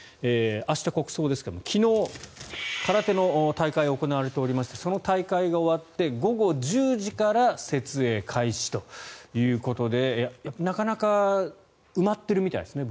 明日、国葬ですが昨日、空手の大会が行われておりましてその大会が終わって午後１０時から設営開始ということでやっぱりなかなか埋まっているみたいですね